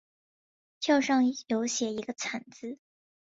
票上有写一个惨字